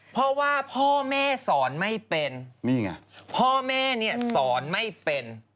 เพราะว่าพ่อแม่สอนไม่เป็นนี่ไงพ่อแม่เนี่ยสอนไม่เป็น